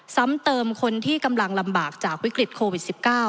ซ้ำเติมคนที่กำลังลำบากจากวิกฤตโควิด๑๙